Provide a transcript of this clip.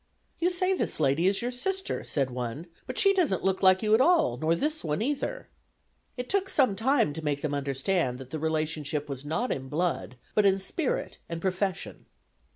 "You say this lady is your sister," said one, "but she doesn't look like you at all, nor this one, either." It took some time to make them understand that the relationship was not in blood, but in spirit and profession.